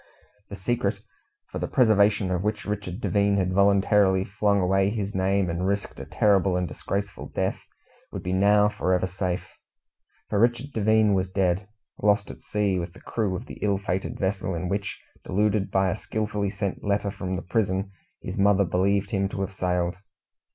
The secret, for the preservation of which Richard Devine had voluntarily flung away his name, and risked a terrible and disgraceful death, would be now for ever safe; for Richard Devine was dead lost at sea with the crew of the ill fated vessel in which, deluded by a skilfully sent letter from the prison, his mother believed him to have sailed.